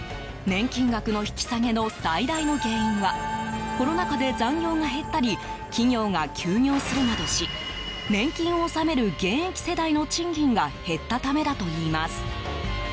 年金額の引き下げの最大の原因はコロナ禍で残業が減ったり企業が休業するなどし年金を納める現役世代の賃金が減ったためだといいます。